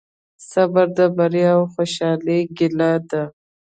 صبر د بریا او خوشحالۍ کیلي ده.